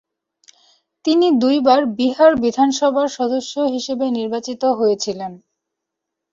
তিনি দুইবার বিহার বিধানসভার সদস্য হিসেবে নির্বাচিত হয়েছিলেন।